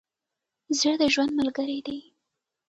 زړه د ژوند ملګری دی.